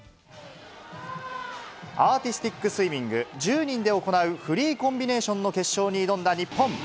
アーティスティックスイミング、１０人で行うフリーコンビネーションの決勝に挑んだ日本。